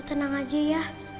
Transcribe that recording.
kamu tenang aja ya